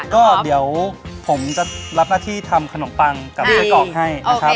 ก็เดี๋ยวผมจะรับหน้าที่ทำขนมปังกับไส้กรอกให้นะครับ